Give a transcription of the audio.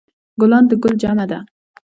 ګلان د ګل جمع ده